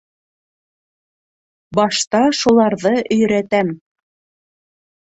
Башта шуларҙы өйрәтәм!